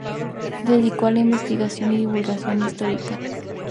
Dedicado a la investigación y divulgación histórica.